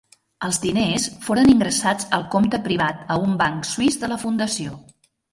Els diners foren ingressats al compte privat a un banc suís de la fundació.